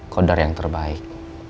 kodar yang terbaik